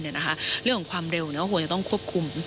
เรื่องของความเร็วควรจะต้องควบคุม